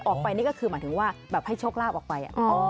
ออกไปนี่ก็คือหมายถึงว่าแบบให้โชคลาภออกไป